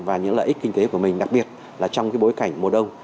và những lợi ích kinh tế của mình đặc biệt là trong bối cảnh mùa đông